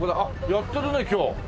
やってるね今日。